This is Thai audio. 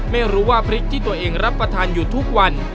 ไม่รู้ว่าพริกที่ตัวเองรับประทานอยู่ทุกวัน